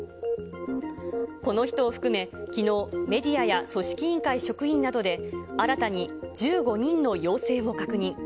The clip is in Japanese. この人を含め、きのう、メディアや組織委員会職員などで新たに１５人の陽性を確認。